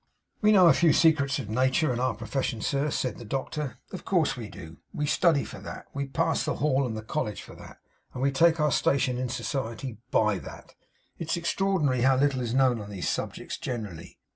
'We know a few secrets of nature in our profession, sir,' said the doctor. 'Of course we do. We study for that; we pass the Hall and the College for that; and we take our station in society BY that. It's extraordinary how little is known on these subjects generally.